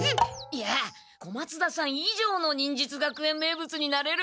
いや小松田さんいじょうの忍術学園名物になれる！